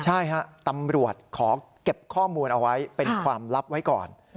ใช่ฮะตำรวจขอเก็บข้อมูลเอาไว้เป็นความลับไว้ก่อน